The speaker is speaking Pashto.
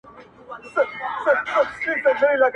• مور لا هم کمزورې ده او ډېر لږ خبري کوي..